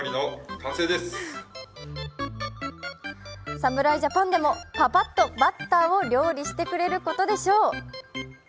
侍ジャパンでもパパッとバッターを料理してくれることでしょう。